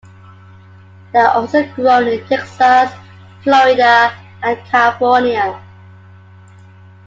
They are also grown in Texas, Florida, and California.